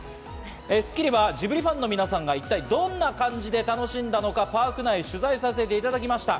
『スッキリ』はジブリファンの皆さんが一体どんな感じで楽しんだのか、パーク内を取材させていただきました。